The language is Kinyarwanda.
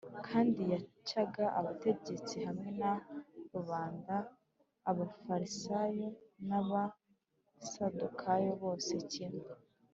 ; kandi yacyahaga abategetsi hamwe na rubanda, Abafarisayo n’Abasadukayo bose kimwe